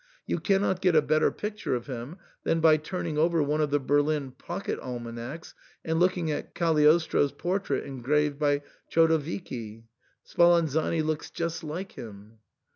You cannot get a better picture of him than by turning over one of the Berlin pocket almanacs ' and looking at Cagliostro's * portrait en graved by Chodowiecki ;* Spalanzani looks just like him.